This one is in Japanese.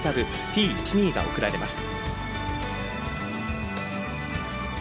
１２が贈られます。